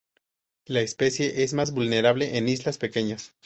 La especie es más vulnerable en islas pequeñas.